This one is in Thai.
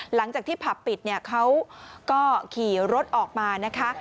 หลังจากที่ผับปิดเนี่ยเขาก็ขี่รถออกมานะคะ